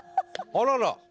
あらら。